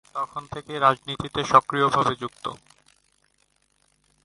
তখন থেকেই রাজনীতিতে সক্রিয়ভাবে যুক্ত।